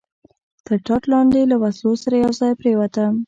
تر ټاټ لاندې له وسلو سره یو ځای پرېوتم.